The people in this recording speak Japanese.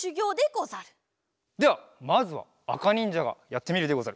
ではまずはあかにんじゃがやってみるでござる。